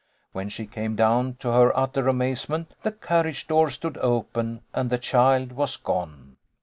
When she came down, to her utter amazement the carriage door stood open, and the child was gone.